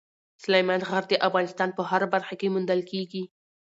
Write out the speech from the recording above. سلیمان غر د افغانستان په هره برخه کې موندل کېږي.